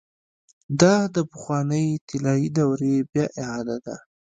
دا د پخوانۍ طلايي دورې بيا اعاده ده.